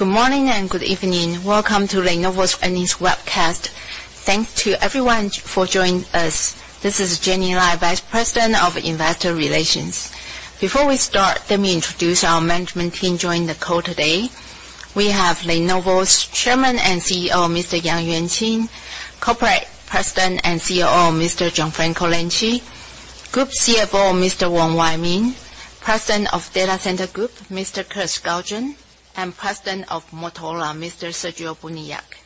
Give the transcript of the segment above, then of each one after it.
Good morning and good evening. Welcome to Lenovo's earnings webcast. Thanks to everyone for joining us. This is Jenny Lai, Vice President of Investor Relations. Before we start, let me introduce our management team joining the call today. We have Lenovo's Chairman and CEO, Mr. Yang Yuanqing, Corporate President and COO, Mr. Gianfranco Lanci, Group CFO, Mr. Wong Wai Ming, President of Data Center Group, Mr. Kirk Skaugen, and President of Motorola, Mr. Sergio Buniac.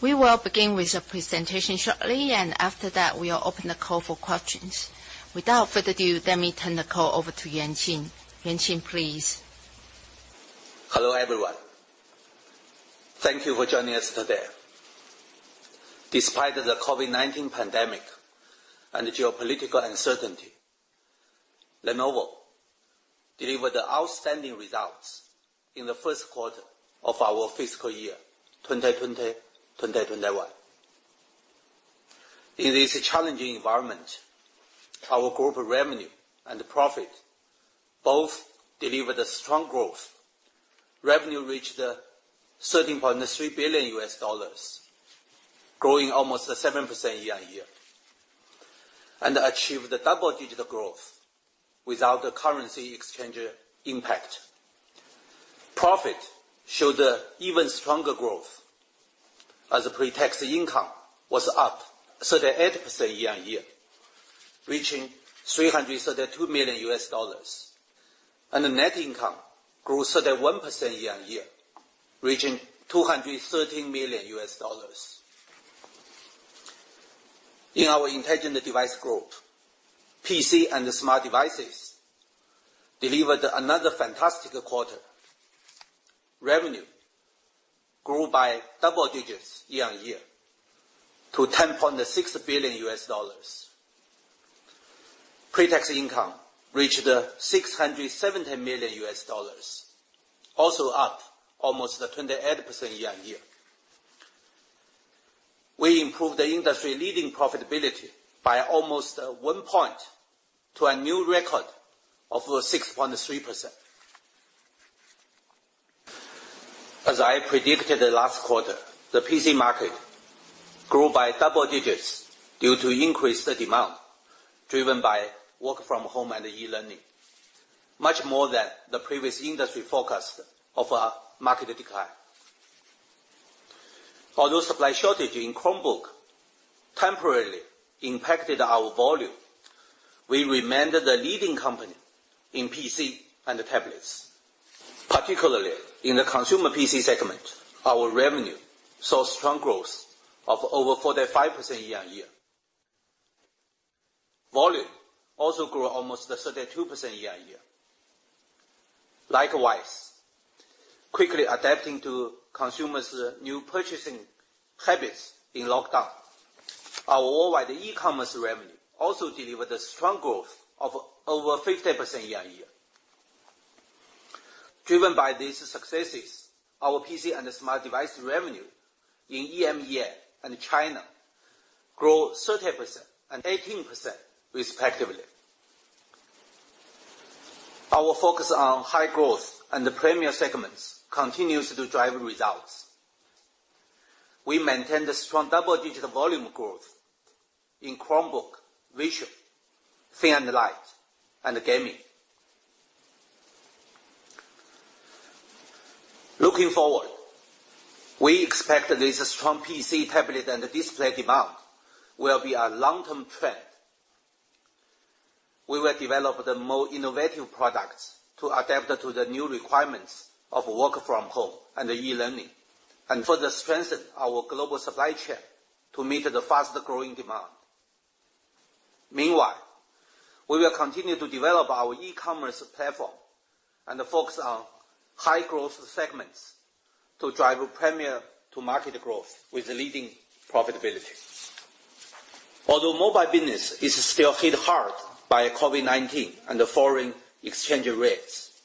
We will begin with a presentation shortly, and after that, we'll open the call for questions. Without further ado, let me turn the call over to Yuanqing. Yuanqing, please. Hello, everyone. Thank you for joining us today. Despite the COVID-19 pandemic and geopolitical uncertainty, Lenovo delivered the outstanding results in the first quarter of our fiscal year, 2020-2021. In this challenging environment, our group revenue and profit both delivered a strong growth. Revenue reached $13.3 billion, growing almost 7% year-on-year, achieved the double-digit growth without the currency exchange impact. Profit showed even stronger growth as pre-tax income was up 38% year-on-year, reaching $332 million, and the net income grew 31% year-on-year, reaching $213 million. In our intelligent device group, PC and smart devices delivered another fantastic quarter. Revenue grew by double digits year-on-year to $10.6 billion. pre-tax income reached $617 million, also up almost 28% year-on-year. We improved the industry-leading profitability by almost one point to a new record of 6.3%. As I predicted last quarter, the PC market grew by double digits due to increased demand, driven by work from home and e-learning, much more than the previous industry forecast of a market decline. Although supply shortage in Chromebook temporarily impacted our volume, we remained the leading company in PC and tablets. Particularly, in the consumer PC segment, our revenue saw strong growth of over 45% year-on-year. Volume also grew almost 32% year-on-year. Likewise, quickly adapting to consumers' new purchasing habits in lockdown, our worldwide e-commerce revenue also delivered a strong growth of over 50% year-on-year. Driven by these successes, our PC and smart device revenue in EMEA and China grew 30% and 18%, respectively. Our focus on high growth and the premier segments continues to drive results. We maintain the strong double-digit volume growth in Chromebook, ThinkVision, thin and light, and gaming. Looking forward, we expect this strong PC, tablet, and display demand will be a long-term trend. We will develop the more innovative products to adapt to the new requirements of work from home and e-learning, and further strengthen our global supply chain to meet the fast-growing demand. Meanwhile, we will continue to develop our e-commerce platform and focus on high-growth segments to drive premier-to-market growth with leading profitability. Although mobile business is still hit hard by COVID-19 and foreign exchange rates,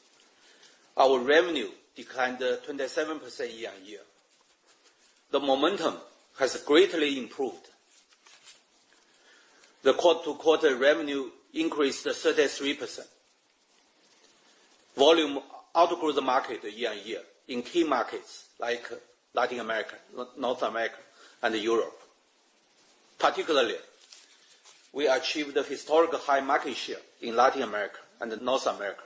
our revenue declined 27% year-on-year. The momentum has greatly improved. The quarter-to-quarter revenue increased 33%. Volume outgrew the market year-on-year in key markets like Latin America, North America, and Europe. Particularly, we achieved a historical high market share in Latin America and North America.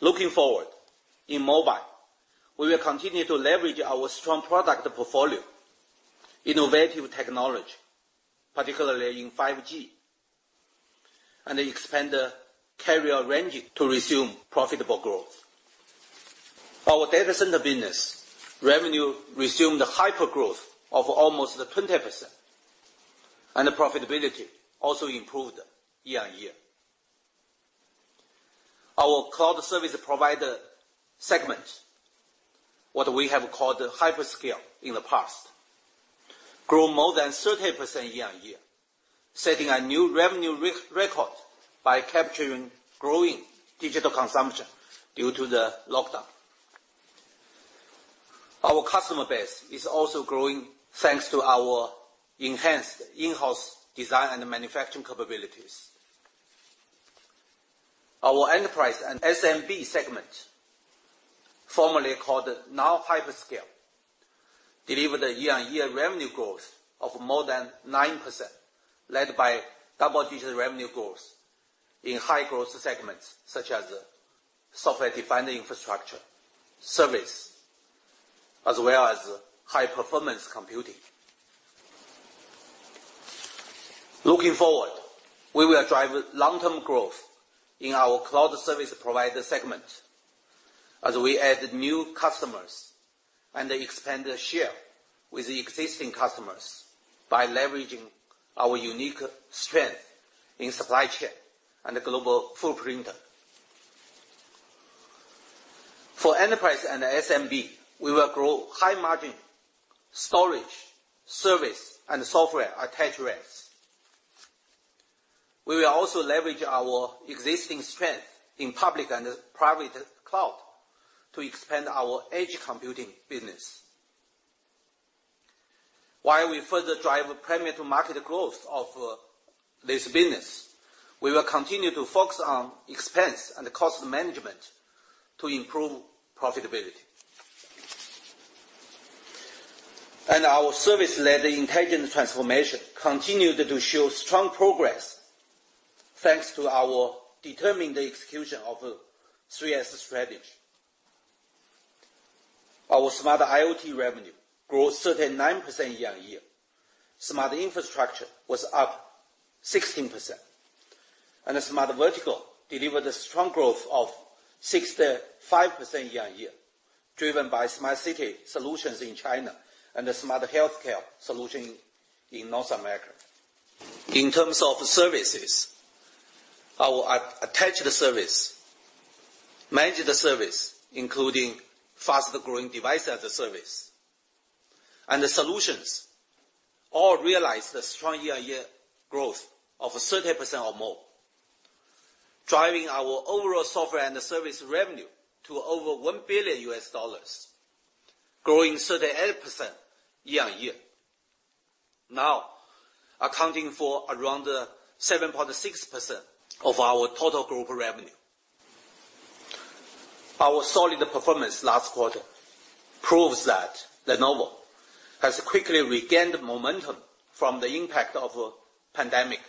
Looking forward, in mobile, we will continue to leverage our strong product portfolio, innovative technology, particularly in 5G, and expand carrier range to resume profitable growth. Our data center business revenue resumed hypergrowth of almost 20%, and profitability also improved year-over-year. Our cloud service provider segment, what we have called hyperscale in the past, grew more than 30% year-over-year, setting a new revenue record by capturing growing digital consumption due to the lockdown. Our customer base is also growing thanks to our enhanced in-house design and manufacturing capabilities. Our enterprise and SMB segment, formerly called non-hyperscale, delivered a year-over-year revenue growth of more than 9%, led by double-digit revenue growth in high-growth segments, such as software-defined infrastructure, service, as well as high-performance computing. Looking forward, we will drive long-term growth in our cloud service provider segment as we add new customers and expand the share with the existing customers by leveraging our unique strength in supply chain and global footprint. For enterprise and SMB, we will grow high-margin storage, service, and software attach rates. We will also leverage our existing strength in public and private cloud to expand our edge computing business. While we further drive premier to market growth of this business, we will continue to focus on expense and cost management to improve profitability. Our service-led intelligent transformation continued to show strong progress thanks to our determined execution of 3S strategy. Our Smart IoT revenue grew 39% year-on-year. Smart Infrastructure was up 16%. The Smart Verticals delivered a strong growth of 65% year-on-year, driven by smart city solutions in China and the smart healthcare solution in North America. In terms of services, our attached service, managed service, including fast-growing Device as a Service, and the solutions all realized a strong year-on-year growth of 30% or more, driving our overall software and service revenue to over $1 billion, growing 38% year-on-year, now accounting for around 7.6% of our total group revenue. Our solid performance last quarter proves that Lenovo has quickly regained momentum from the impact of pandemic,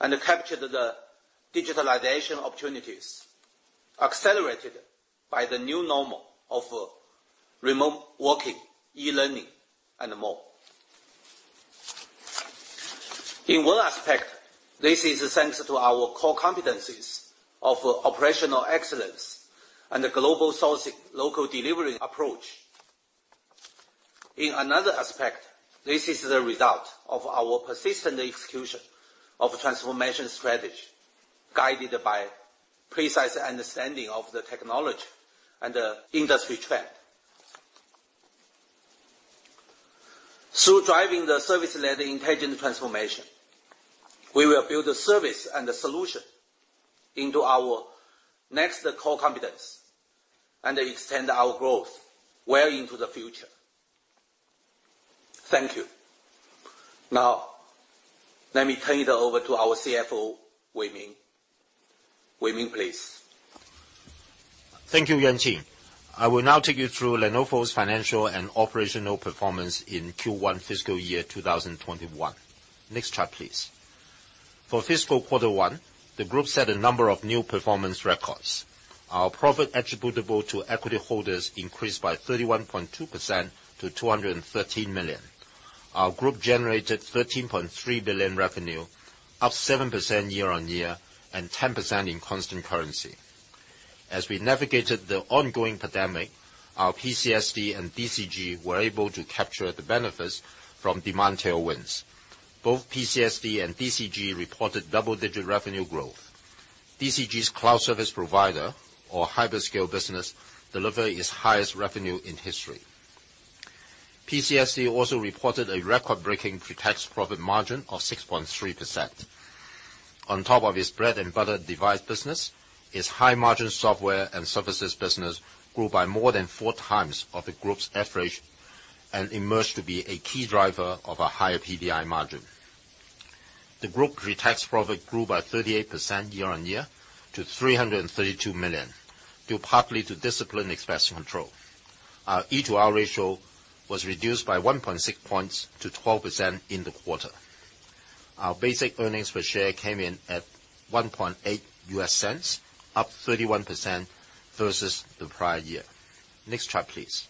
and captured the digitalization opportunities accelerated by the new normal of remote working, e-learning, and more. In one aspect, this is thanks to our core competencies of operational excellence and global sourcing, local delivery approach. In another aspect, this is the result of our persistent execution of transformation strategy, guided by precise understanding of the technology and the industry trend. Through driving the service-led intelligent transformation, we will build a service and a solution into our next core competence and extend our growth well into the future. Thank you. Now, let me turn it over to our CFO, Wai Ming. Wai Ming, please. Thank you, Yuanqing. I will now take you through Lenovo's financial and operational performance in Q1 fiscal year 2021. Next chart, please. For fiscal quarter one, the group set a number of new performance records. Our profit attributable to equity holders increased by 31.2% to $213 million. Our group generated $13.3 billion revenue, up 7% year-on-year and 10% in constant currency. As we navigated the ongoing pandemic, our PCSD and DCG were able to capture the benefits from demand tailwinds. Both PCSD and DCG reported double-digit revenue growth. DCG's cloud service provider, or hyperscale business, delivered its highest revenue in history. PCSD also reported a record-breaking pre-tax profit margin of 6.3%. On top of its bread-and-butter device business, its high-margin software and services business grew by more than 4 times of the group's average and emerged to be a key driver of a higher PTI margin. The group pretax profit grew by 38% year-on-year to $332 million, due partly to disciplined expense control. Our E to R ratio was reduced by 1.6 points to 12% in the quarter. Our basic earnings per share came in at $0.018, up 31% versus the prior year. Next chart, please.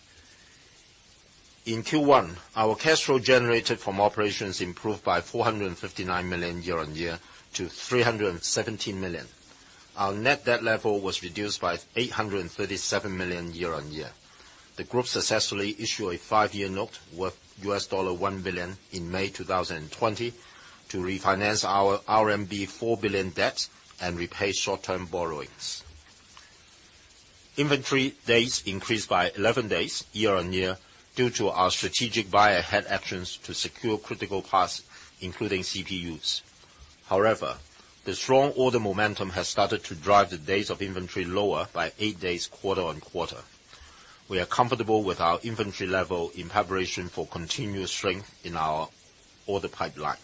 In Q1, our cash flow generated from operations improved by $459 million year-on-year to $317 million. Our net debt level was reduced by $837 million year-on-year. The group successfully issued a five-year note worth US$1 billion in May 2020 to refinance our RMB 4 billion debt and repay short-term borrowings. Inventory days increased by 11 days year-on-year due to our strategic buy ahead actions to secure critical parts, including CPUs. However, the strong order momentum has started to drive the days of inventory lower by eight days quarter-on-quarter. We are comfortable with our inventory level in preparation for continued strength in our order pipeline.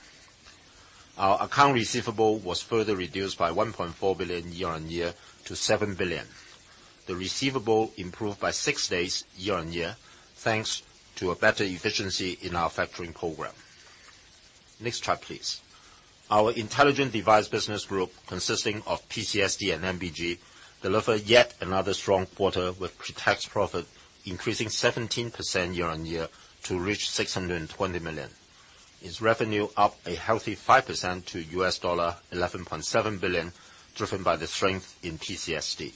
Our account receivable was further reduced by $1.4 billion year-on-year to $7 billion. The receivable improved by six days year-on-year, thanks to a better efficiency in our factoring program. Next chart, please. Our Intelligent Device Business Group, consisting of PCSD and MBG, delivered yet another strong quarter with pre-tax profit increasing 17% year-on-year to reach $620 million. Its revenue up a healthy 5% to $11.7 billion, driven by the strength in PCSD.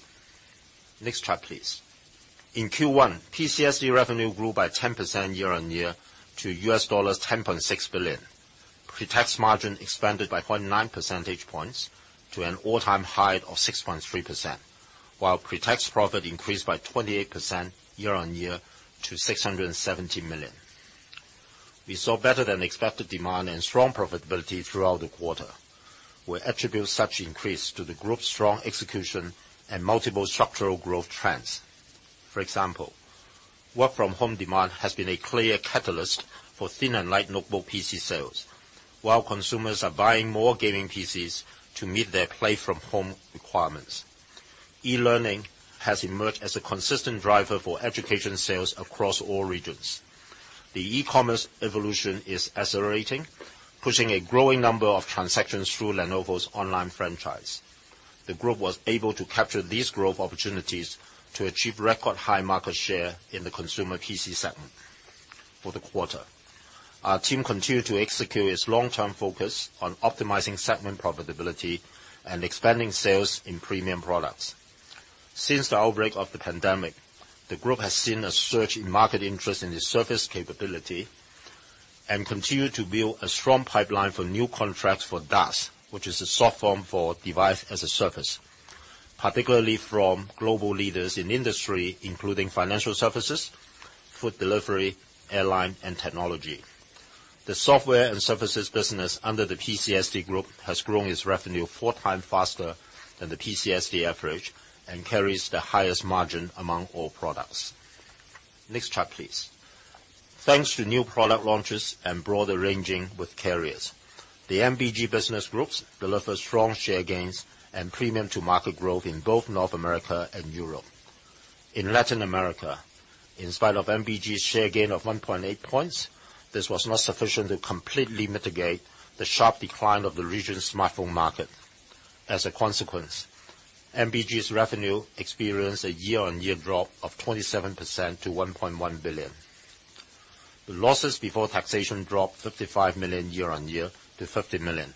Next chart, please. In Q1, PCSD revenue grew by 10% year-on-year to $10.6 billion. Pre-tax margin expanded by 0.9 percentage points to an all-time high of 6.3%, while pre-tax profit increased by 28% year-on-year to $670 million. We saw better than expected demand and strong profitability throughout the quarter. We attribute such increase to the group's strong execution and multiple structural growth trends. For example, work-from-home demand has been a clear catalyst for thin and light notebook PC sales. While consumers are buying more gaming PCs to meet their play-from-home requirements. E-learning has emerged as a consistent driver for education sales across all regions. The e-commerce evolution is accelerating, pushing a growing number of transactions through Lenovo's online franchise. The group was able to capture these growth opportunities to achieve record high market share in the consumer PC segment for the quarter. Our team continued to execute its long-term focus on optimizing segment profitability and expanding sales in premium products. Since the outbreak of the pandemic, the group has seen a surge in market interest in the service capability and continued to build a strong pipeline for new contracts for DaaS, which is a short form for Device as a Service, particularly from global leaders in industry, including financial services, food delivery, airline, and technology. The software and services business under the PCSD group has grown its revenue four times faster than the PCSD average and carries the highest margin among all products. Next chart, please. Thanks to new product launches and broader ranging with carriers, the MBG business groups deliver strong share gains and premium to market growth in both North America and Europe. In Latin America, in spite of MBG's share gain of 1.8 points, this was not sufficient to completely mitigate the sharp decline of the region's smartphone market. As a consequence, MBG's revenue experienced a year-on-year drop of 27% to $1.1 billion. The losses before taxation dropped $55 million year-on-year to $50 million.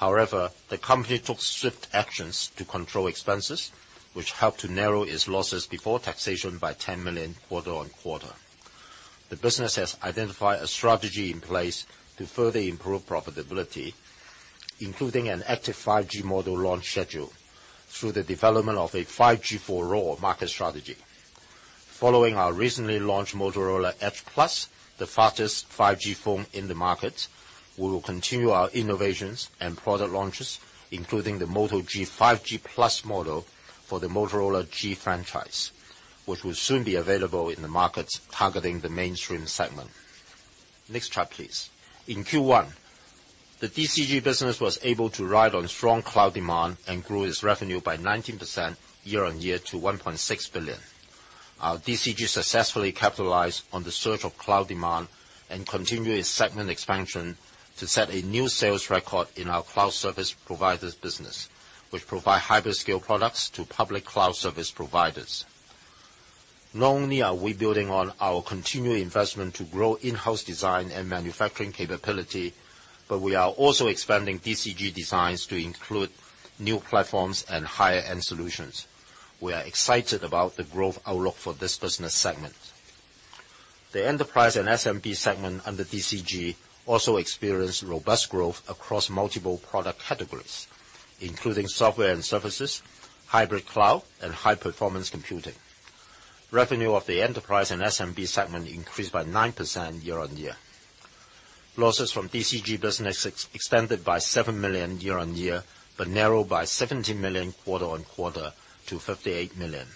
The company took swift actions to control expenses, which helped to narrow its losses before taxation by $10 million quarter-on-quarter. The business has identified a strategy in place to further improve profitability, including an active 5G model launch schedule through the development of a 5G for all market strategy. Following our recently launched motorola edge+, the fastest 5G phone in the market, we will continue our innovations and product launches, including the Moto G 5G plus model for the Motorola G franchise, which will soon be available in the markets targeting the mainstream segment. Next chart, please. In Q1, the DCG business was able to ride on strong cloud demand and grew its revenue by 19% year-on-year to $1.6 billion. Our DCG successfully capitalized on the surge of cloud demand and continued its segment expansion to set a new sales record in our cloud service providers business, which provide hyperscale products to public cloud service providers. Not only are we building on our continued investment to grow in-house design and manufacturing capability, but we are also expanding DCG designs to include new platforms and higher-end solutions. We are excited about the growth outlook for this business segment. The enterprise and SMB segment under DCG also experienced robust growth across multiple product categories, including software and services, hybrid cloud, and high-performance computing. Revenue of the enterprise and SMB segment increased by 9% year-on-year. Losses from DCG business extended by 7 million year-on-year, narrowed by $17 million quarter-on-quarter to $58 million.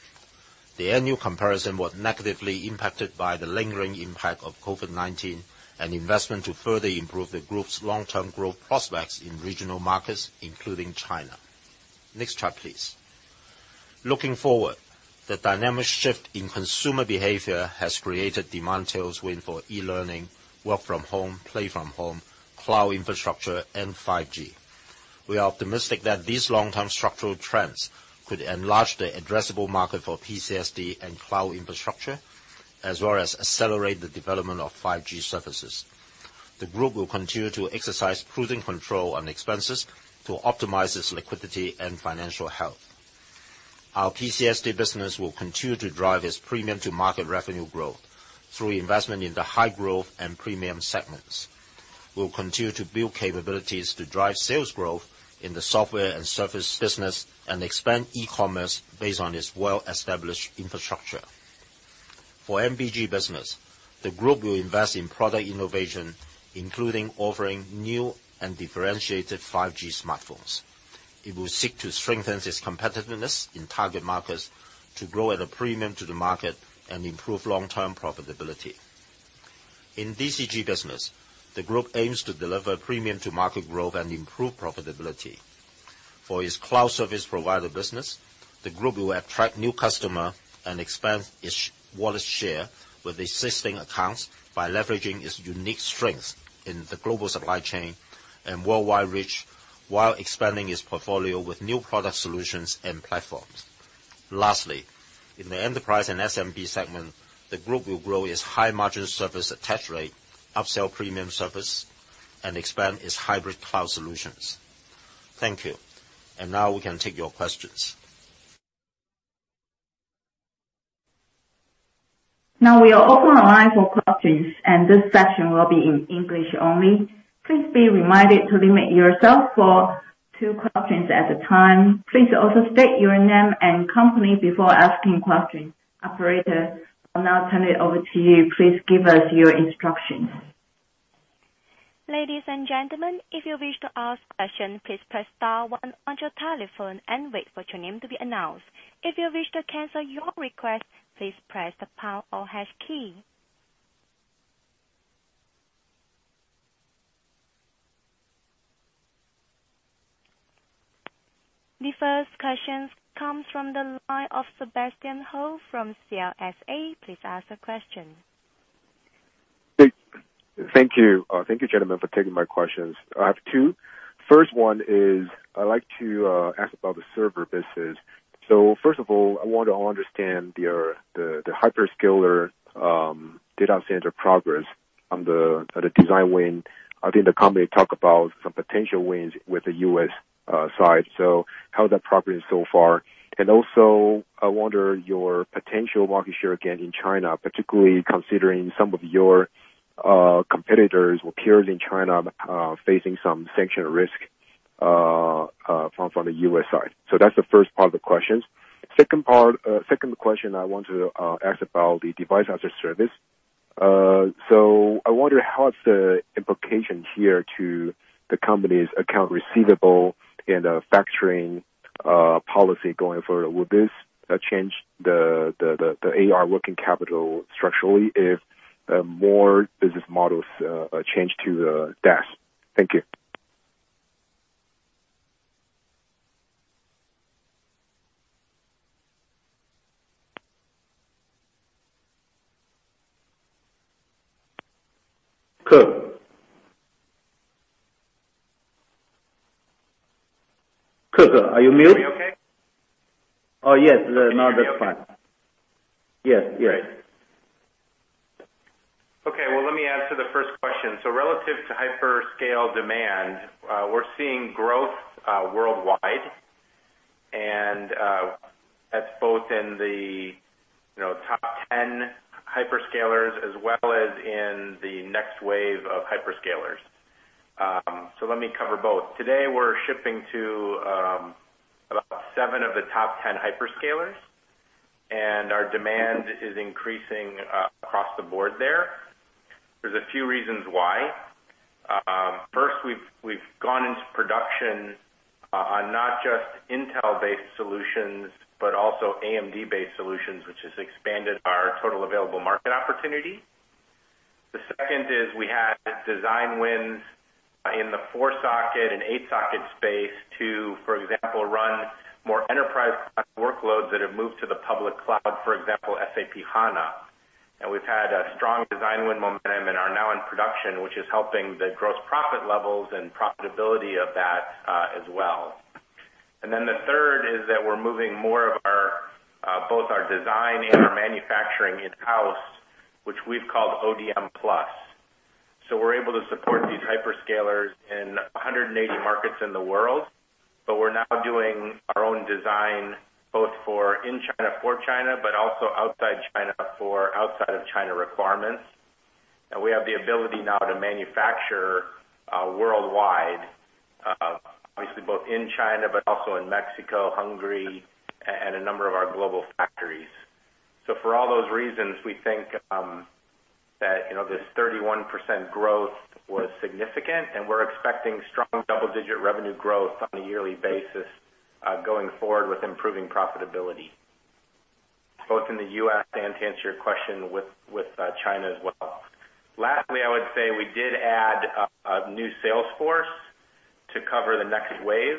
The annual comparison was negatively impacted by the lingering impact of COVID-19 and investment to further improve the group's long-term growth prospects in regional markets, including China. Next chart, please. Looking forward, the dynamic shift in consumer behavior has created demand tailwind for e-learning, work from home, play from home, cloud infrastructure, and 5G. We are optimistic that these long-term structural trends could enlarge the addressable market for PCSD and cloud infrastructure, as well as accelerate the development of 5G services. The group will continue to exercise prudent control on expenses to optimize its liquidity and financial health. Our PCSD business will continue to drive its premium to market revenue growth through investment in the high growth and premium segments. We will continue to build capabilities to drive sales growth in the software and service business and expand e-commerce based on its well-established infrastructure. For MBG business, the group will invest in product innovation, including offering new and differentiated 5G smartphones. It will seek to strengthen its competitiveness in target markets to grow at a premium to the market and improve long-term profitability. In DCG business, the group aims to deliver premium to market growth and improve profitability. For its cloud service provider business, the group will attract new customer and expand its wallet share with existing accounts by leveraging its unique strengths in the global supply chain and worldwide reach, while expanding its portfolio with new product solutions and platforms. Lastly, in the enterprise and SMB segment, the group will grow its high margin service attach rate, upsell premium service, and expand its hybrid cloud solutions. Thank you. Now we can take your questions. Now we are open the line for questions, and this session will be in English only. Please be reminded to limit yourself for two questions at a time. Please also state your name and company before asking questions. Operator, I'll now turn it over to you. Please give us your instructions. Ladies and gentlemen, if you wish to ask question, please press star one on your telephone and wait for your name to be announced. If you wish to cancel your request, please press the pound or hash key. The first question comes from the line of Sebastian Hou from CLSA. Please ask the question. Thank you. Thank you, gentlemen, for taking my questions. I have two. First, I'd like to ask about the server business. First of all, I want to understand the hyperscaler Data Center progress on the design win. I think the company talk about some potential wins with the U.S. side. How is that progressing so far? I wonder your potential market share again in China, particularly considering some of your competitors or peers in China are facing some sanction risk from the U.S. side. That's the first part of the questions. Second question I want to ask about the Device as a Service. I wonder how it's the implication here to the company's account receivable and the factoring policy going forward. Will this change the AR working capital structurally if more business models change to the DaaS? Thank you. Kirk, are you mute? Are you okay? Oh, yes. No, that's fine. Yes. Great. Okay, well, let me answer the first question. Relative to hyperscale demand, we're seeing growth worldwide, and that's both in the top 10 hyperscalers as well as in the next wave of hyperscalers. Let me cover both. Today, we're shipping to about seven of the top 10 hyperscalers, and our demand is increasing across the board there. There's a few reasons why. First, we've gone into production on not just Intel-based solutions, but also AMD-based solutions, which has expanded our total available market opportunity. The second is we have design wins in the four-socket and eight-socket space to, for example, run more enterprise workloads that have moved to the public cloud, for example, SAP HANA. We've had a strong design win momentum and are now in production, which is helping the gross profit levels and profitability of that as well. The third is that we're moving more of both our design and our manufacturing in-house, which we've called ODM+. We're able to support these hyperscalers in 180 markets in the world. We're now doing our own design both for in China, for China, but also outside China for outside of China requirements. We have the ability now to manufacture worldwide, obviously both in China but also in Mexico, Hungary, and a number of our global factories. For all those reasons, we think that this 31% growth was significant, and we're expecting strong double-digit revenue growth on a yearly basis going forward with improving profitability, both in the U.S. and to answer your question, with China as well. Lastly, I would say we did add a new sales force to cover the next wave.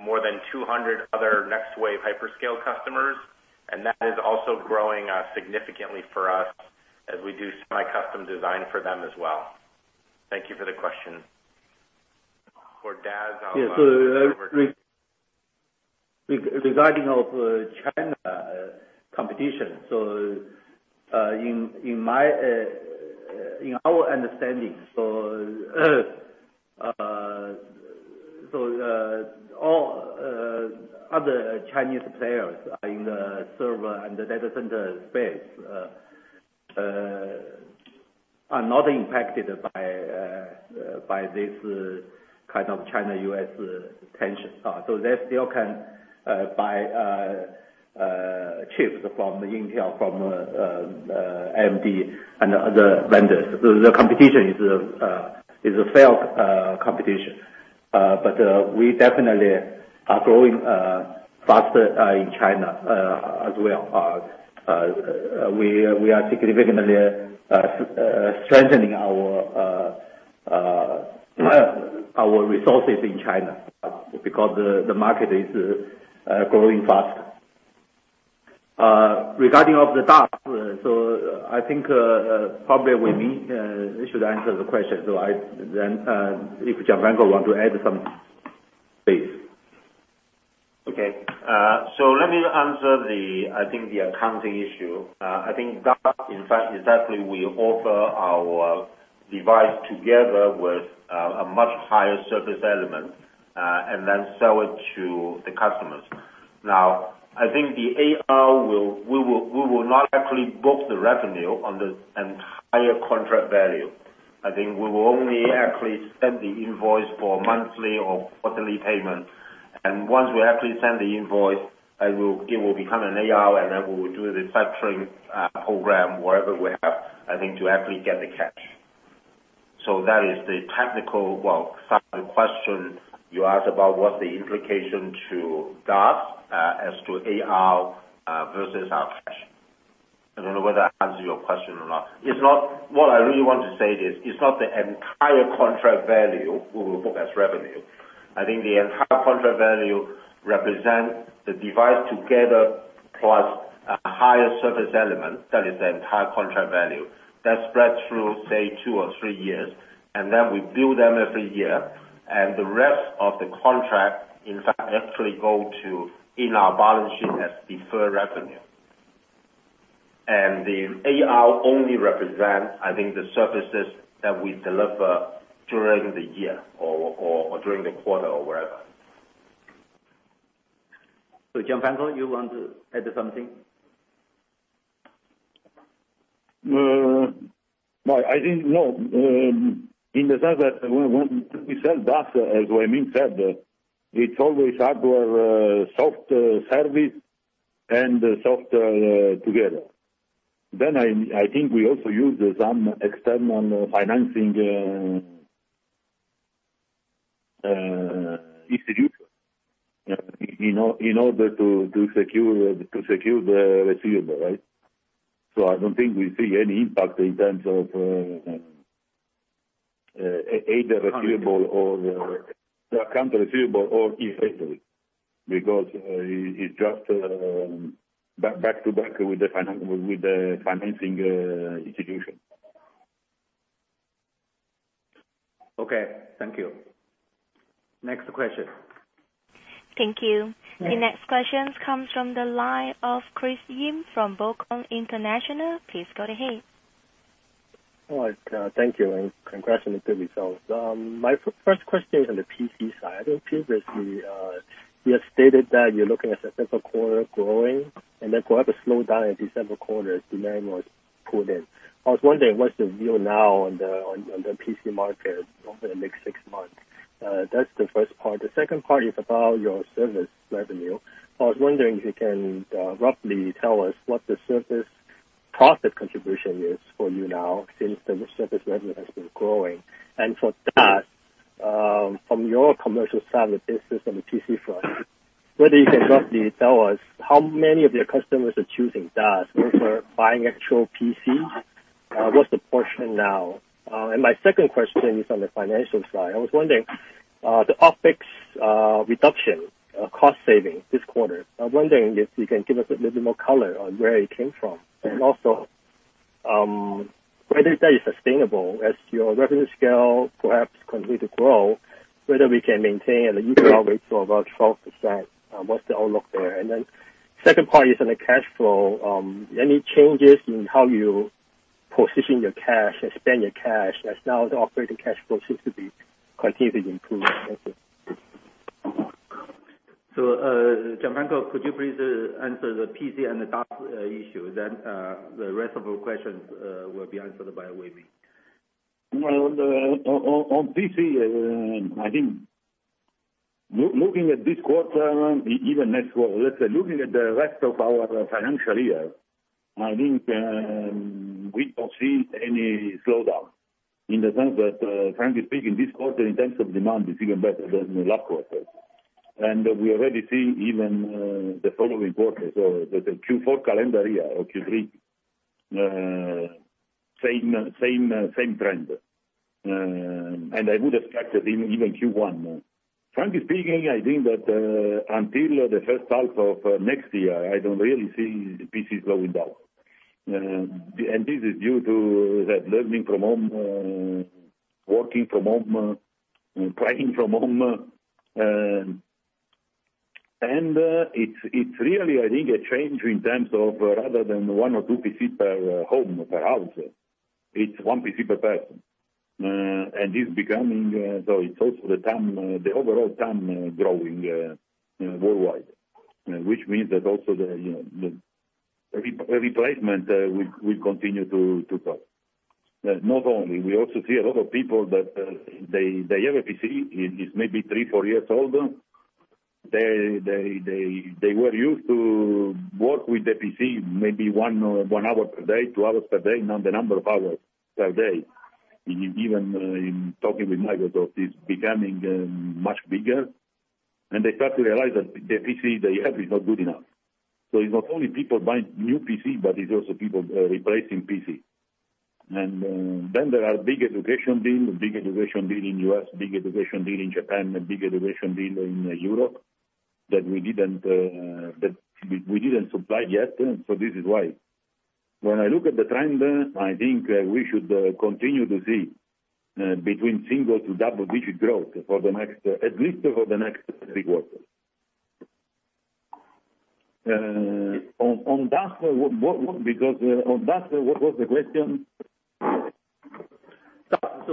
More than 200 other next wave hyperscale customers, and that is also growing significantly for us as we do semi-custom design for them as well. Thank you for the question. For DaaS, I'll. Yes. Regarding China competition. In our understanding, other Chinese players are in the server and the data center space. Are not impacted by this kind of China-U.S. tension. They still can buy chips from Intel, from AMD, and other vendors. The competition is a fair competition. We definitely are growing faster in China as well. We are significantly strengthening our resources in China because the market is growing faster. Regarding of the DaaS, I think probably Wai Ming should answer the question. If Gianfranco wants to add something, please. Okay. Let me answer, I think the accounting issue. I think DaaS, in fact, exactly we offer our device together with a much higher service element, and then sell it to the customers. I think the AR, we will not actually book the revenue on the entire contract value. I think we will only actually send the invoice for monthly or quarterly payment. Once we actually send the invoice, it will become an AR, and then we will do the factoring program, whatever we have, I think to actually get the cash. That is the technical, well, second question you asked about what's the implication to DaaS as to AR versus our cash. I don't know whether I answered your question or not. What I really want to say is, it's not the entire contract value we will book as revenue. I think the entire contract value represents the device together plus a higher service element that is the entire contract value. That spreads through, say, two or three years. We bill them every year. The rest of the contract, in fact, actually go to in our balance sheet as deferred revenue. The AR only represents, I think, the services that we deliver during the year or during the quarter or whatever. Gianfranco, you want to add something? No. I think, no. In the sense that when we sell DaaS, as Wai Ming said, it's always hardware, service, and software together. I think we also use some external financing institutions in order to secure the receivable, right? I don't think we see any impact in terms of either receivable or account receivable or effectively, because it's just back-to-back with the financing institution. Okay. Thank you. Next question. Thank you. The next question comes from the line of Chris Yim from BOCOM International. Please go ahead. All right. Thank you, and congratulations on the good results. My first question is on the PC side. I think previously you have stated that you're looking at the second quarter growing, and then perhaps a slowdown in December quarter as demand was pulled in. I was wondering, what's the view now on the PC market over the next six months? That's the first part. The second part is about your service revenue. I was wondering if you can roughly tell us what the service profit contribution is for you now since the service revenue has been growing. For that, from your commercial side of the business on the PC front, whether you can roughly tell us how many of your customers are choosing DaaS over buying actual PCs? What's the portion now? My second question is on the financial side. I was wondering, the OpEx reduction cost savings this quarter. I'm wondering if you can give us a little bit more color on where it came from, and also whether that is sustainable as your revenue scale perhaps continue to grow, whether we can maintain an EBITDA rate of about 12%. What's the outlook there? Second part is on the cash flow. Any changes in how you position your cash and spend your cash, as now the operating cash flow seems to be continuously improving. Thank you. Gianfranco, could you please answer the PC and the DaaS issue, then the rest of your questions will be answered by Wai Ming. Well, on PC, I think looking at this quarter, even next quarter, let's say looking at the rest of our financial year, I think we don't see any slowdown in the sense that, frankly speaking, this quarter in terms of demand is even better than the last quarter. We already see even the following quarters or the Q4 calendar year or Q3 same trend. I would expect that even Q1. Frankly speaking, I think that until the first half of next year, I don't really see the PC slowing down. This is due to that learning from home, working from home, playing from home. It's really, I think, a change in terms of rather than one or two PC per home, per house. It's one PC per person. It's also the overall TAM growing worldwide. Which means that also the replacement will continue to grow. Not only, we also see a lot of people that they have a PC, it is maybe three, four years old. They were used to working with the PC maybe one hour per day, two hours per day, not a number of hours per day. Even in talking with Microsoft, it's becoming much bigger, and they start to realize that the PC they have is not good enough. It's not only people buying new PC, but it's also people replacing PC. There are big education deals. Big education deal in U.S., big education deal in Japan, a big education deal in Europe that we didn't supply yet. This is why. When I look at the trend, I think we should continue to see between single to double-digit growth at least for the next three quarters. On DaaS, what was the question? DaaS.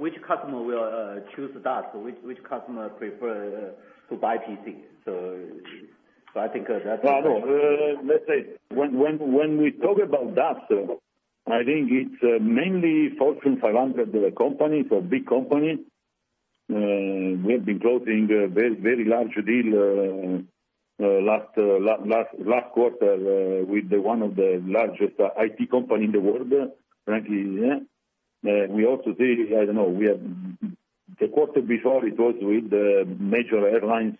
Which customer will choose DaaS? Which customer prefer to buy PC? Well, no. Let's say, when we talk about DaaS, I think it's mainly Fortune 500 companies or big companies. We have been closing a very large deal last quarter with one of the largest IT company in the world, frankly. We also see, I don't know, the quarter before, it was with major airlines.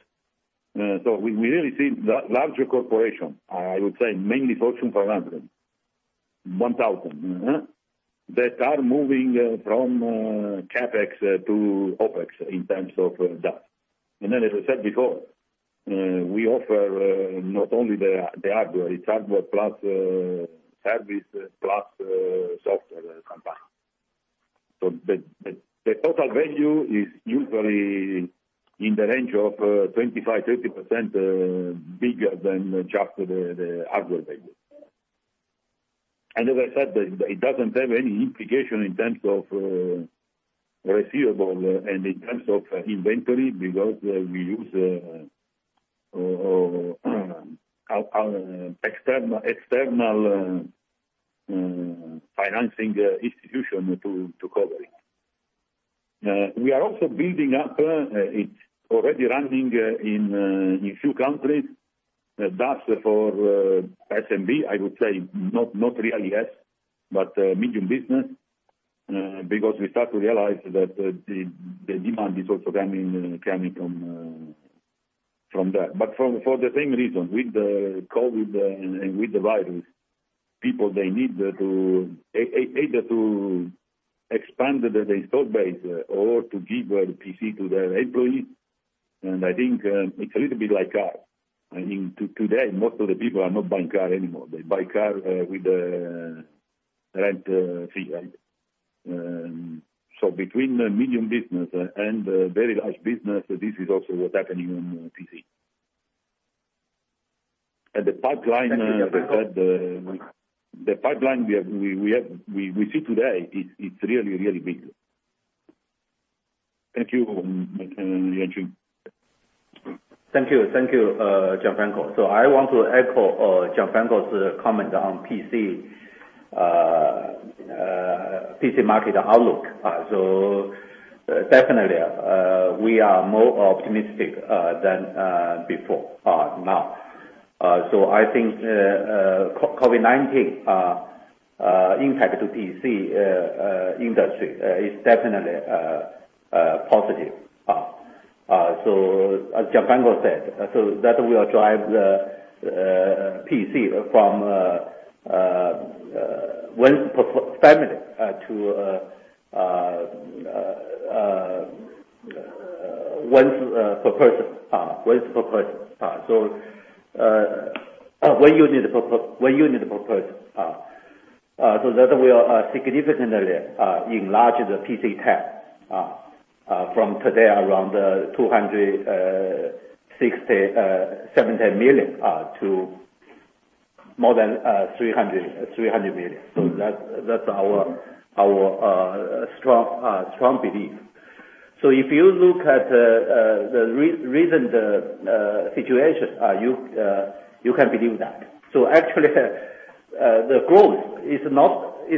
We really see larger corporation, I would say mainly Fortune 500, 1,000, that are moving from CapEx to OpEx in terms of DaaS. As I said before, we offer not only the hardware, it's hardware plus service, plus software combined. The total value is usually in the range of 25%-30% bigger than just the hardware value. As I said, it doesn't have any implication in terms of receivable and in terms of inventory because we use external financing institution to cover it. We are also building up, it's already running in a few countries, DaaS for SMB, I would say not really yet, but medium business. We start to realize that the demand is also coming from that. For the same reason with the COVID and with the virus, people they need either to expand their install base or to give a PC to their employees. I think it's a little bit like car. I mean, today, most of the people are not buying car anymore. They buy car with a rent fee, right? Between medium business and very large business, this is also what's happening on PC. The pipeline we have, we see today it's really big. Thank you, Yuanqing. Thank you, Gianfranco. I want to echo Gianfranco's comment on PC market outlook. Definitely, we are more optimistic than before now. I think COVID-19 impact to PC industry is definitely positive. As Gianfranco said, that will drive the PC from one per family to one per person. One unit per person. That will significantly enlarge the PC TAM from today around the 270 million units to more than 300 million units. That's our strong belief. If you look at the recent situation, you can believe that. Actually, the growth is not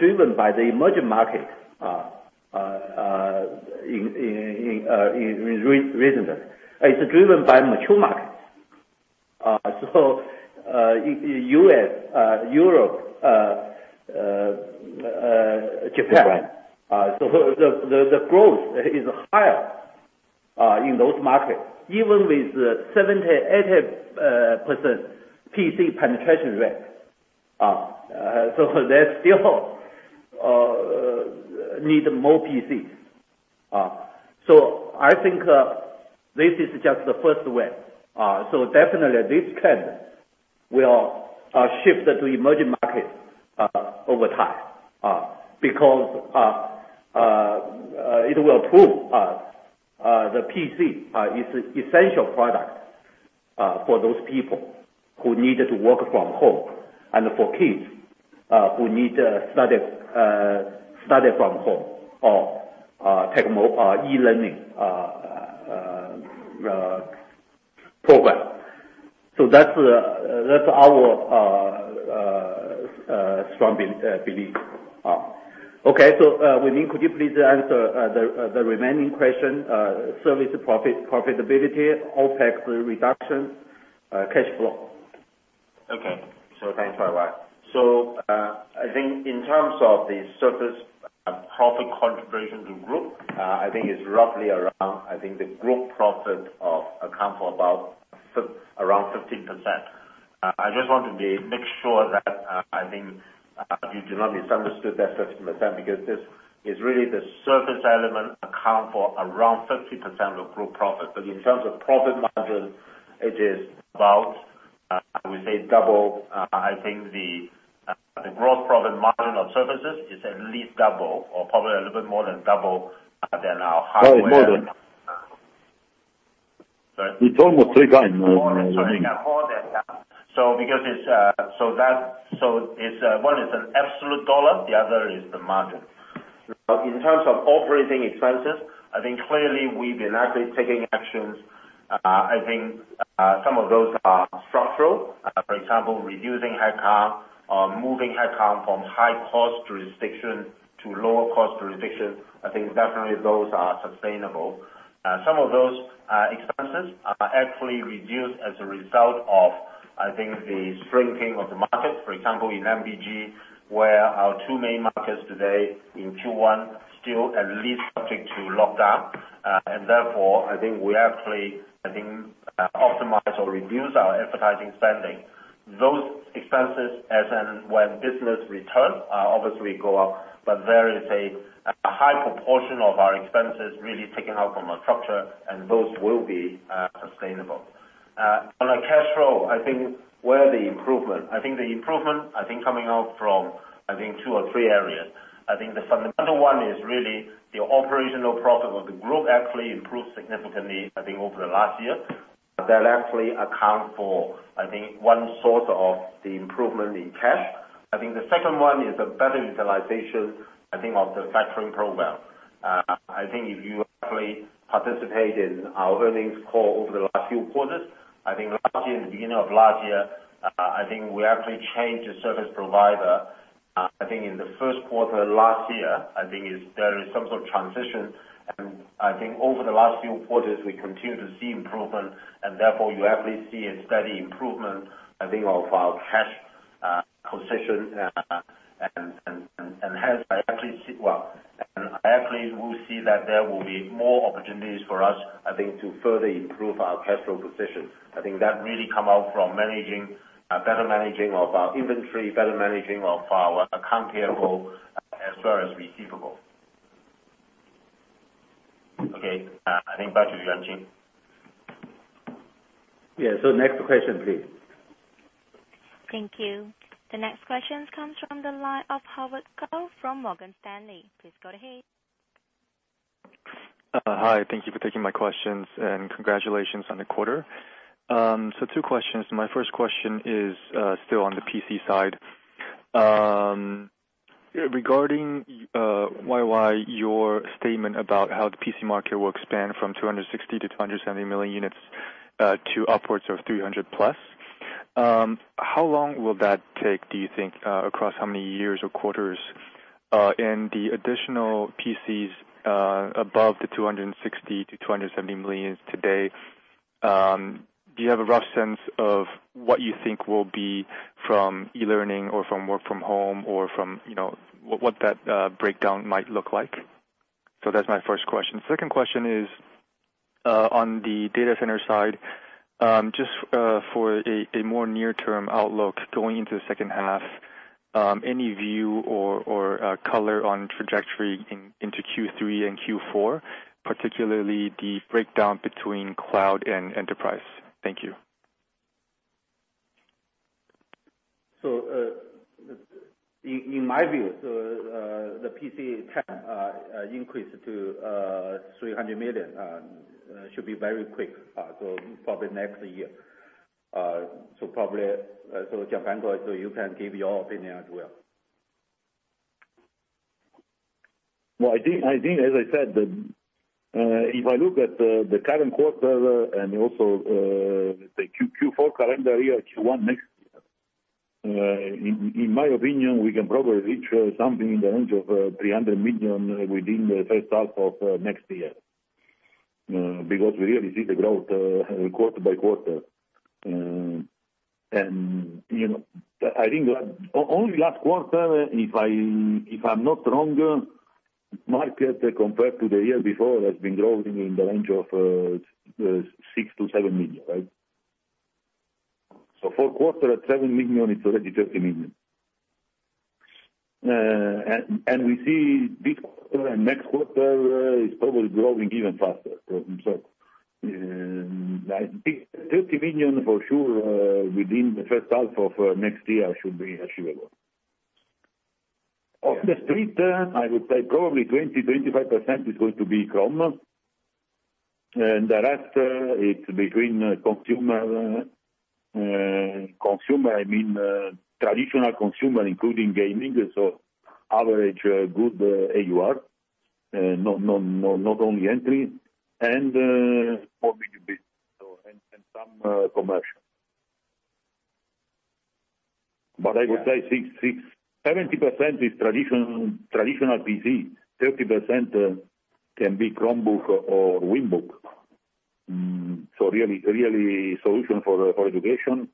driven by the emerging market in recent days. It's driven by mature markets. U.S., Europe, Japan. Japan. The growth is higher in those markets, even with 78% PC penetration rate. They still need more PCs. I think this is just the first wave. Definitely this trend will shift to emerging markets over time because-It will prove us, the PC is an essential product for those people who need to work from home, and for kids who need to study from home or take more e-learning program. That's our strong belief. Okay. Wai Ming, could you please answer the remaining question? Service profitability, OpEx reduction, cash flow. Okay. Thanks, Yang Yuanqing. I think in terms of the service profit contribution to group, it's roughly around, the group profit account for about around 15%. I just want to make sure that you do not misunderstood that 15%, because this is really the service element account for around 15% of group profit. In terms of profit margin, it is about, I would say double. The growth profit margin on services is at least double or probably a little bit more than double than our hardware. Oh, it's more than. Sorry? It's almost three times. Sorry. More than. One is an absolute dollar, the other is the margin. In terms of operating expenses, I think clearly we've been actively taking actions. I think some of those are structural. For example, reducing headcount or moving headcount from high-cost jurisdiction to lower-cost jurisdiction. I think definitely those are sustainable. Some of those expenses are actually reduced as a result of, I think, the shrinking of the market, for example, in MBG, where our two main markets today in Q1 still at least subject to lockdown. Therefore, I think we actually, I think, optimize or reduce our advertising spending. Those expenses as and when business returns, obviously go up, but there is a high proportion of our expenses really taken out from our structure, and those will be sustainable. On our cash flow, I think where are the improvement? I think the improvement, I think coming out from, I think two or three areas. I think the fundamental one is really the operational profit of the group actually improved significantly, I think over the last year. That actually account for, I think one source of the improvement in cash. I think the second one is a better utilization, I think of the factoring program. I think if you actively participate in our earnings call over the last few quarters, I think last year, in the beginning of last year, I think we actually changed the service provider. I think in the first quarter last year, I think there is some sort of transition, and I think over the last few quarters, we continue to see improvement and therefore you actually see a steady improvement, I think of our cash position. Actually we'll see that there will be more opportunities for us, I think, to further improve our cash flow position. I think that really come out from better managing of our inventory, better managing of our account payable as well as receivable. Okay. I think back to Yuanqing. Yeah. Next question, please. Thank you. The next question comes from the line of Howard Kao from Morgan Stanley. Please go ahead. Hi. Thank you for taking my questions and congratulations on the quarter. Two questions. My first question is still on the PC side. Regarding, YY, your statement about how the PC market will expand from 260 to 270 million units to upwards of 300+. How long will that take, do you think, across how many years or quarters? The additional PCs above the 260 to 270 million today, do you have a rough sense of what you think will be from e-learning or from work from home or from what that breakdown might look like? That's my first question. Second question is, on the Data Center side, just for a more near-term outlook going into the second half, any view or color on trajectory into Q3 and Q4, particularly the breakdown between cloud and enterprise? Thank you. In my view, the PC count increase to 300 million should be very quick, so probably next year. Probably, so Gianfranco, so you can give your opinion as well. Well, I think, as I said, if I look at the current quarter and also, let's say Q4 current year, Q1 next year, in my opinion, we can probably reach something in the range of 300 million units within the first half of next year. We really see the growth quarter by quarter. I think only last quarter, if I'm not wrong, market compared to the year before has been growing in the range of 6 million-7 million units. Right? Four quarter at $7 million, it's already 30 million. We see this quarter and next quarter is probably growing even faster. I think 30 million for sure within the first half of next year should be achievable. Of the split, I would say probably 20%-35% is going to be Chrome, and the rest it's between traditional consumer, including gaming, so average good AUR, not only entry, and for B2B, and some commercial. I would say 70% is traditional PC, 30% can be Chromebook or Winbook. Really, solution for education.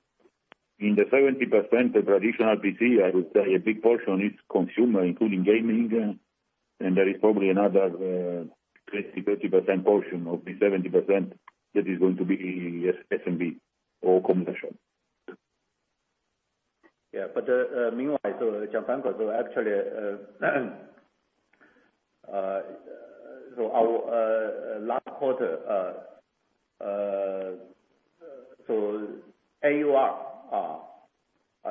In the 70% traditional PC, I would say a big portion is consumer, including gaming. There is probably another 20%-30% portion of the 70% that is going to be SMB or combination. Meanwhile, Gianfranco, actually, last quarter, AUR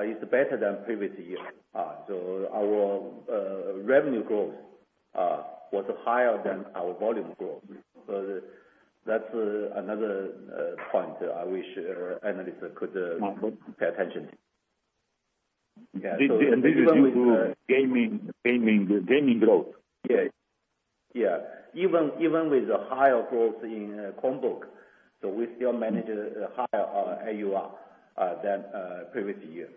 is better than previous years. Our revenue growth was higher than our volume growth. That's another point I wish analysts could. pay attention. Yeah. This is into gaming growth. Yeah. Even with the higher growth in Chromebook, we still manage higher AUR than previous year.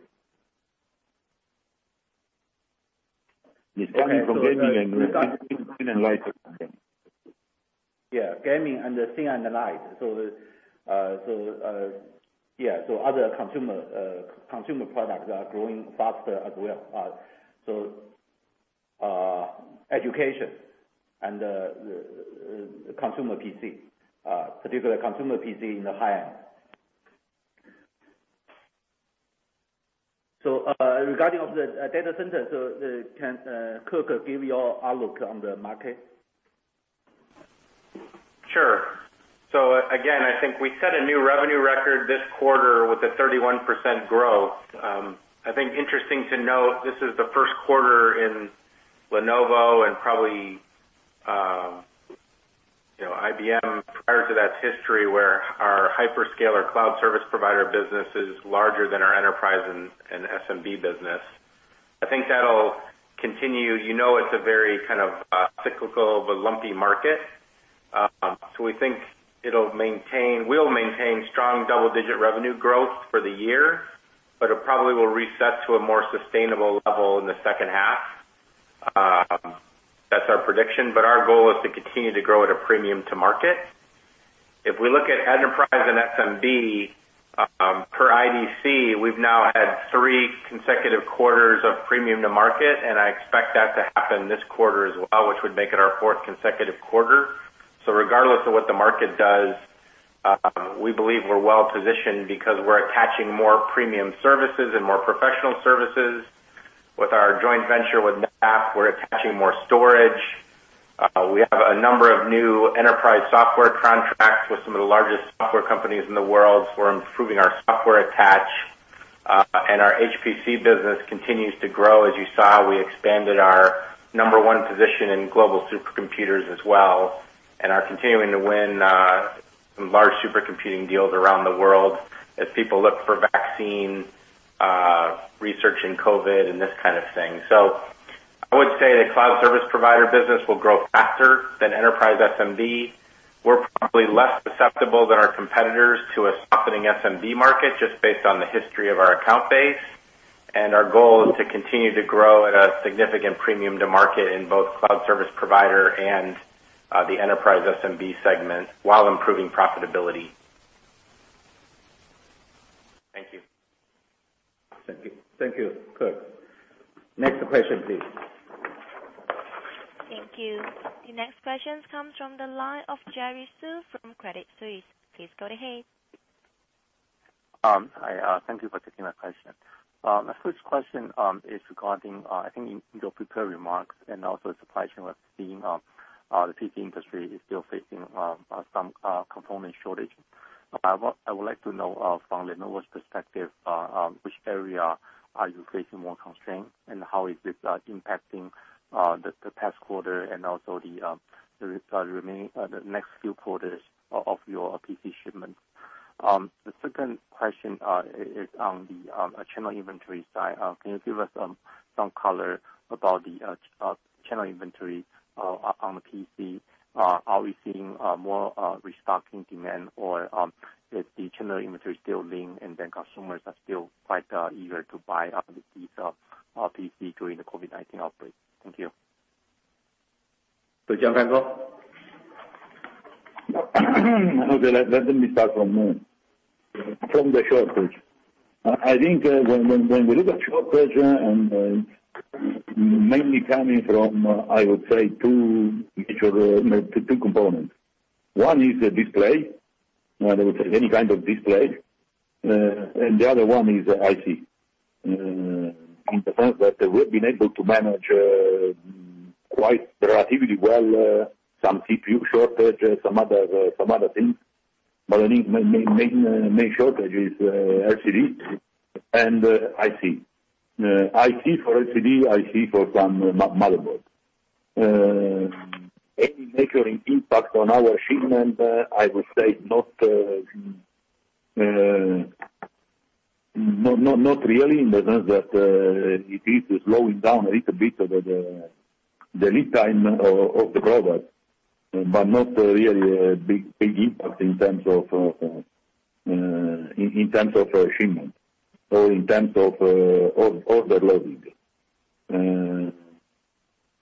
It's coming from gaming and thin and light. Yeah. Gaming and the thin and light. Other consumer products are growing faster as well. Education and the consumer PC, particular consumer PC in the high end. Regarding of the data center, so can Kirk give your outlook on the market? Sure. Again, I think we set a new revenue record this quarter with a 31% growth. I think interesting to note, this is the first quarter in Lenovo and probably IBM, prior to that history, where our hyperscaler cloud service provider business is larger than our enterprise and SMB business. I think that'll continue. You know it's a very kind of cyclical but lumpy market. We think we'll maintain strong double-digit revenue growth for the year, but it probably will reset to a more sustainable level in the second half. That's our prediction. Our goal is to continue to grow at a premium to market. If we look at enterprise and SMB, per IDC, we've now had three consecutive quarters of premium to market, and I expect that to happen this quarter as well, which would make it our fourth consecutive quarter. Regardless of what the market does, we believe we're well-positioned because we're attaching more premium services and more professional services. With our joint venture with NetApp, we're attaching more storage. We have a number of new enterprise software contracts with some of the largest software companies in the world. We're improving our software attach. Our HPC business continues to grow. As you saw, we expanded our number one position in global supercomputers as well, and are continuing to win some large supercomputing deals around the world as people look for vaccine research in COVID and this kind of thing. I would say the cloud service provider business will grow faster than enterprise SMB. We're probably less susceptible than our competitors to a softening SMB market, just based on the history of our account base. Our goal is to continue to grow at a significant premium to market in both cloud service provider and the enterprise SMB segment, while improving profitability. Thank you. Thank you, Kirk. Next question, please. Thank you. The next question comes from the line of Jerry Su from Credit Suisse. Please go ahead. Hi. Thank you for taking my question. My first question is regarding, in your prepared remarks, and also the supply chain we're seeing, the PC industry is still facing some component shortage. I would like to know from Lenovo's perspective, which area are you facing more constraints, and how is this impacting the past quarter and also the next few quarters of your PC shipments? The second question is on the channel inventory side. Can you give us some color about the channel inventory on the PC? Are we seeing more restocking demand, or is the channel inventory still lean and consumers are still quite eager to buy these PC during the COVID-19 outbreak? Thank you. Gianfranco. Okay. Let me start from the shortage. I think when we look at shortage mainly coming from, I would say, two components. One is the display, I would say any kind of display. The other one is IC. In the sense that we've been able to manage relatively well. Some CPU shortages, some other things. I think main shortage is LCD and IC. IC for LCD, IC for some motherboards. Any measuring impact on our shipment, I would say not really, in the sense that it is slowing down a little bit, the lead time of the product. Not really a big impact in terms of shipment or in terms of overloading.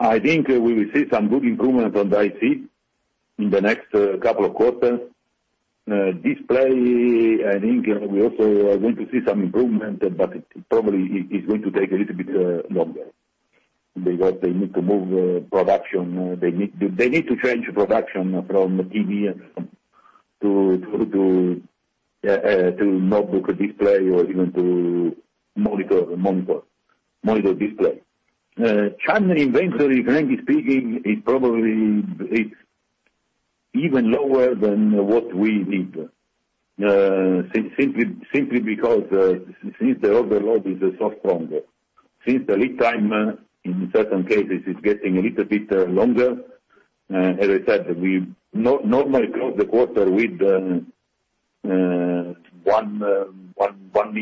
I think we will see some good improvement on the IC in the next couple of quarters. Display, I think we also are going to see some improvement. Probably it is going to take a little bit longer because they need to change production from TV and so on to notebook display or even to monitor display. Channel inventory, frankly speaking, it's even lower than what we need. Simply because since the overload is so strong. The lead time, in certain cases, is getting a little bit longer. As I said, we normally close the quarter with $1 million, $1.5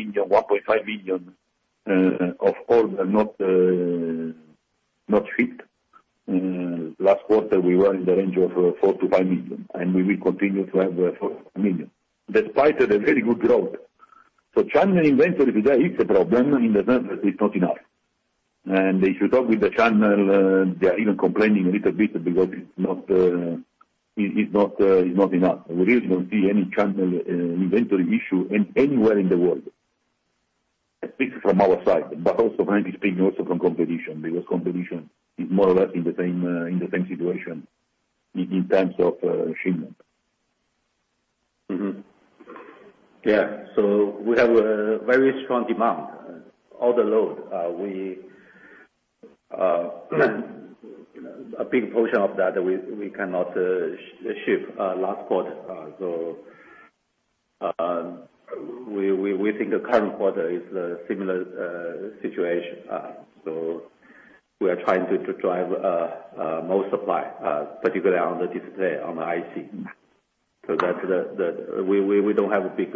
million of all the load. Last quarter, we were in the range of $4 million-$5 million, and we will continue to have $4 million, despite the very good growth. Channel inventory, today it's a problem in the sense that it's not enough. If you talk with the channel, they are even complaining a little bit because it's not enough. We really don't see any channel inventory issue anywhere in the world. I speak from our side, but also frankly speaking, also from competition, because competition is more or less in the same situation in terms of shipment. Yeah. We have a very strong demand, all the load. A big portion of that we cannot ship last quarter. We think the current quarter is a similar situation. We are trying to drive more supply, particularly on the display, on the IC. We don't have a big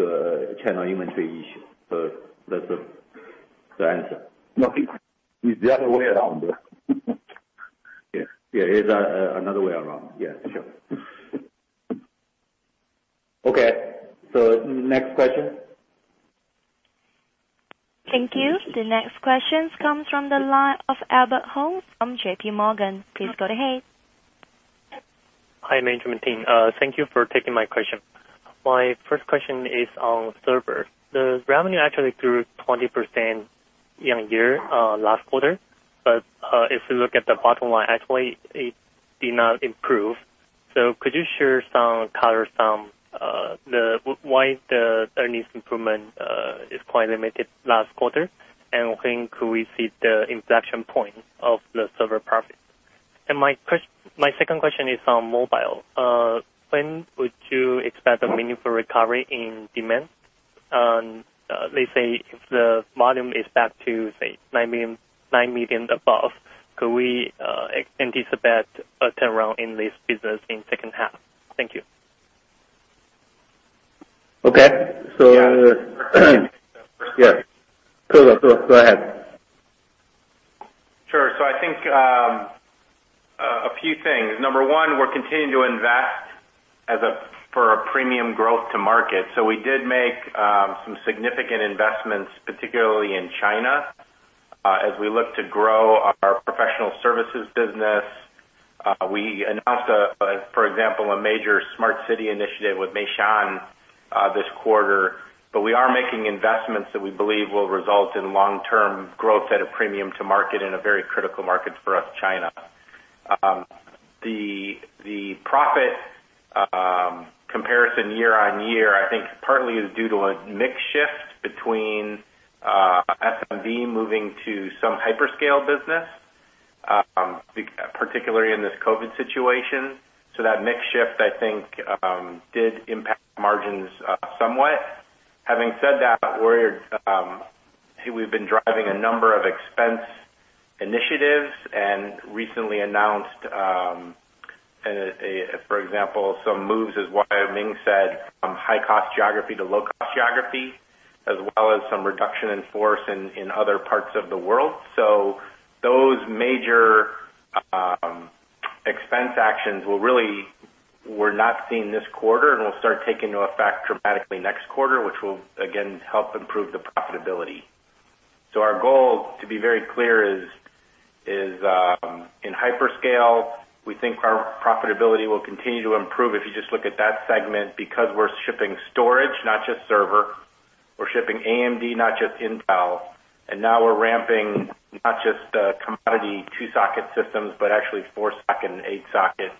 channel inventory issue. That's the answer. No, it's the other way around. Yeah. It is another way around. Yeah, sure. Okay, next question. Thank you. The next questions comes from the line of Albert Hung from JPMorgan. Please go ahead. Hi, management team. Thank you for taking my question. My first question is on server. The revenue actually grew 20% year-on-year, last quarter. If you look at the bottom line, actually, it did not improve. Could you share or color some why the earnings improvement is quite limited last quarter? When could we see the inflection point of the server profit? My second question is on mobile. When would you expect a meaningful recovery in demand? Let's say if the volume is back to, say, nine million above, could we anticipate a turnaround in this business in second half? Thank you. Okay. yeah. Kirk, go ahead. Sure. I think, a few things. Number one, we're continuing to invest for a premium growth to market. We did make some significant investments, particularly in China, as we look to grow our professional services business. We announced, for example, a major smart city initiative with Meishan this quarter. We are making investments that we believe will result in long-term growth at a premium to market in a very critical market for us, China. The profit comparison year-on-year, I think partly is due to a mix shift between SMB moving to some hyperscale business, particularly in this COVID situation. That mix shift, I think, did impact margins somewhat. Having said that, we've been driving a number of expense initiatives and recently announced, for example, some moves as Wai Ming said, from high-cost geography to low-cost geography, as well as some reduction in force in other parts of the world. Those major expense actions were not seen this quarter and will start taking effect dramatically next quarter, which will again help improve the profitability. Our goal, to be very clear is, in hyperscale, we think our profitability will continue to improve if you just look at that segment because we're shipping storage, not just server. We're shipping AMD, not just Intel. Now we're ramping not just commodity 2-socket systems, but actually 4-socket and 8-socket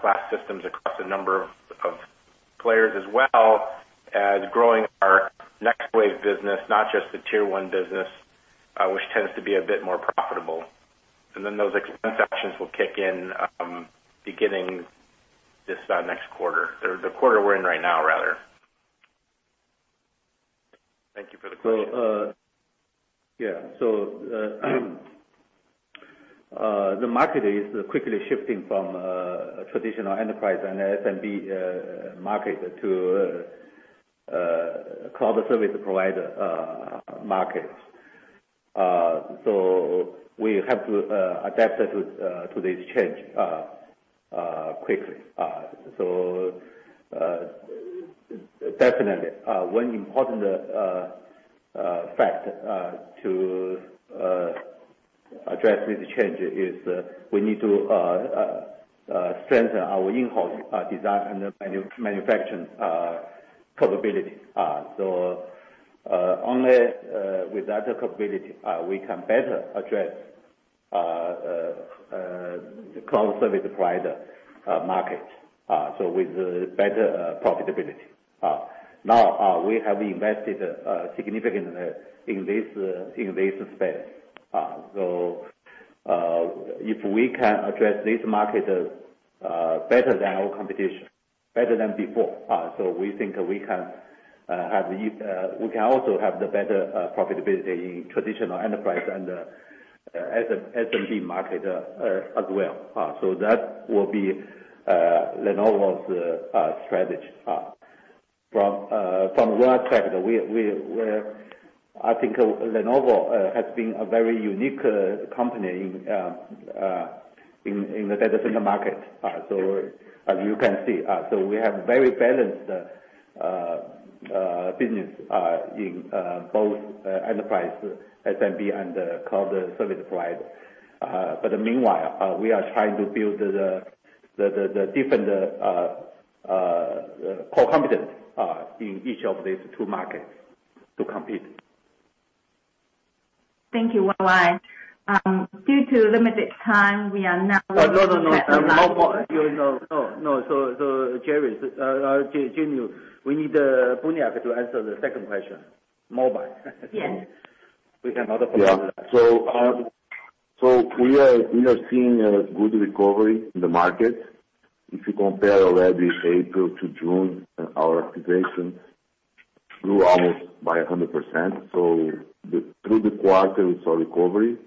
class systems across a number of players as well. As growing our next wave business, not just the tier one business, which tends to be a bit more profitable. Those expense actions will kick in beginning this next quarter or the quarter we're in right now, rather. Thank you for the question. The market is quickly shifting from traditional enterprise and SMB market to cloud service provider markets. We have to adapt to this change quickly. Definitely, one important fact to address this change is we need to strengthen our in-house design and manufacturing capabilities. Only with that capability we can better address cloud service provider market with better profitability. Now, we have invested significantly in this space. If we can address this market better than our competition, better than before, we think we can also have the better profitability in traditional enterprise and SMB market as well. That will be Lenovo's strategy. From where I stand, I think Lenovo has been a very unique company in the data center market. As you can see, we have very balanced business in both enterprise SMB and cloud service provider. Meanwhile, we are trying to build the different core competence in each of these two markets to compete. Thank you, Yang Yuanqing. No. Jenny, we need Buniac to answer the second question. Mobile. Yes. We cannot avoid that. Yeah. We are seeing a good recovery in the market. If you compare already April to June, our activation grew almost by 100%. Through the quarter, we saw recovery.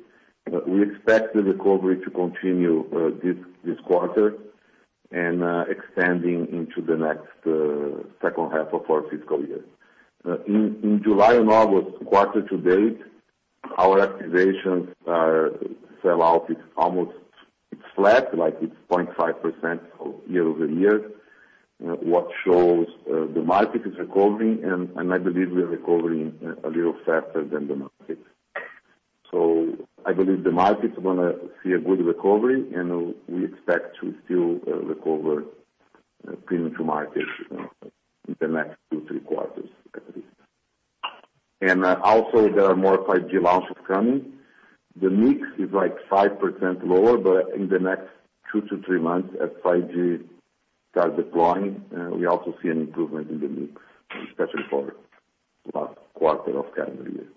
We expect the recovery to continue this quarter, and extending into the next second half of our fiscal year. In July and August, quarter to date, our activations are sell out. It's almost flat, like it's 0.5% year-over-year. What shows the market is recovering, and I believe we are recovering a little faster than the market. I believe the market is going to see a good recovery, and we expect to still recover premium to market in the next two, three quarters at least. Also, there are more 5G launches coming. The mix is 5% lower, but in the next two to three months as 5G starts deploying, we also see an improvement in the mix, especially for last quarter of calendar year.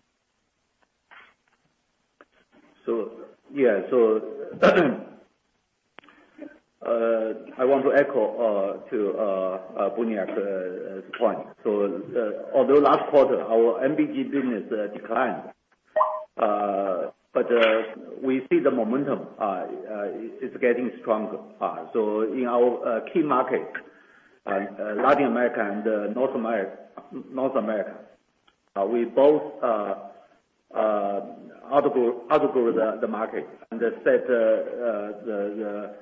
I want to echo to Buniac's point. Although last quarter our MBG business declined, but we see the momentum is getting stronger. In our key market, Latin America and North America, we both outgrow the market and set the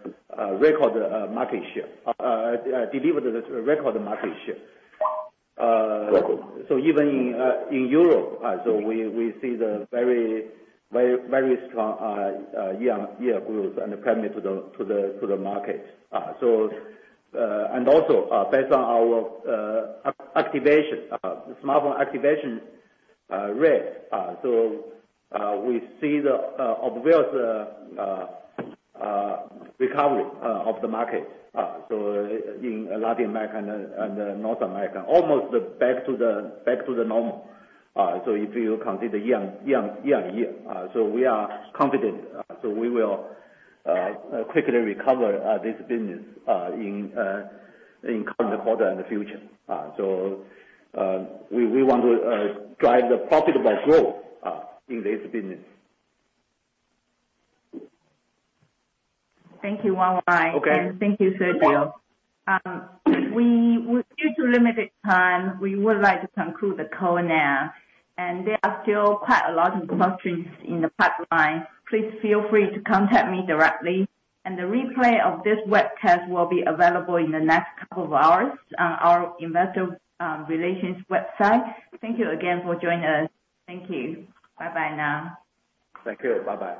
record market share. Delivered the record market share. Record. Even in Europe, we see the very strong year-on-year growth and compared to the market. Also based on our smartphone activation rate, we see the obvious recovery of the market. In Latin America and North America, almost back to the normal. If you consider year-on-year, we are confident. We will quickly recover this business in current quarter and the future. We want to drive the profitable growth in this business. Thank you, Yang Yuanqing. Okay. Thank you, Sergio. Due to limited time, we would like to conclude the call now, and there are still quite a lot of questions in the pipeline. Please feel free to contact me directly, and the replay of this webcast will be available in the next couple of hours on our investor relations website. Thank you again for joining us. Thank you. Bye bye now. Take care. Bye bye.